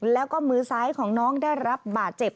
แล้วก็มือซ้ายของน้องได้รับบาดเจ็บ